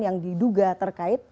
yang diduga terkait